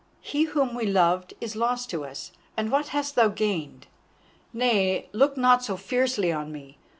He whom we loved is lost to us, and what hast thou gained? Nay, look not so fiercely on me.